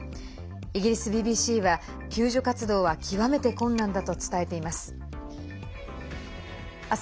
イギリスＢＢＣは救助活動は極めて困難だと伝えています。